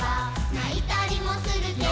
「ないたりもするけれど」